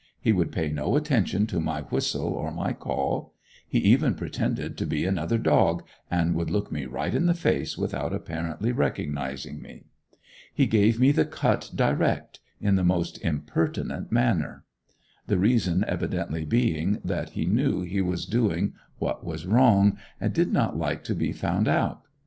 He would pay no attention to my whistle or my call. He even pretended to be another dog, and would look me right in the face without apparently recognizing me. He gave me the cut direct, in the most impertinent manner; the reason evidently being that he knew he was doing what was wrong, and did not like to be found out.